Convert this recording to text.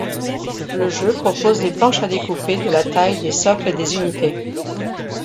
Le jeu propose des planches à découper de la taille des socles des unités.